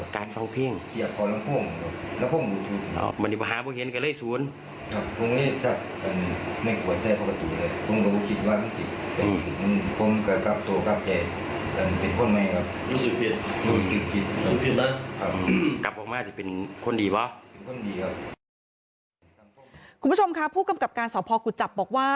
คุณผู้ชมค่ะผู้กำกับการสพกุจจับบอกว่า